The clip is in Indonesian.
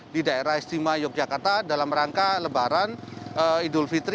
di daerah istimewa yogyakarta dalam rangka lebaran idul fitri